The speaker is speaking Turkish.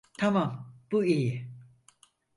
Tamam, bu iyi.